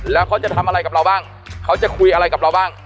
แล้วเขาจะทำอะไรกับเราบ้างเขาจะคุยอะไรกับเราบ้าง